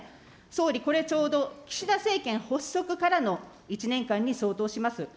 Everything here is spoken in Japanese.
総理、これちょうど、岸田政権発足からの１年間に相当します。